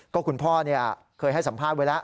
ก็คุณพ่อเคยให้สัมภาษณ์ไว้แล้ว